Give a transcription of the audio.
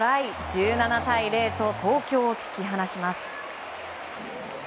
１７対０と東京を突き放します。